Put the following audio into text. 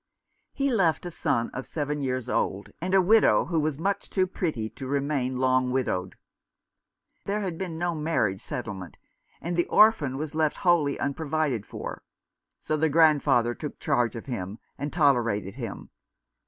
He left a son of seven years old, and a widow, who was much too pretty to remain long widowed. There had been no marriage settlement, and the orphan was left wholly unprovided for ; so the grandfather took charge of him, and tolerated him.